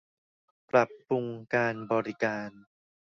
ปรับปรุงการบริการ